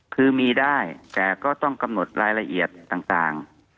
คือมีได้แต่ก็ต้องกำหนดรายละเอียดต่าง